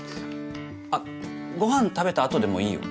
あっご飯食べた後でもいいよ。